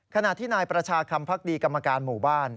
ขณะที่นายประชาคำพักดีกรรมการหมู่บ้าน